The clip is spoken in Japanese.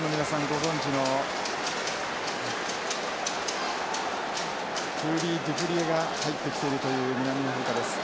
ご存じのフーリーデュプレアが入ってきているという南アフリカです。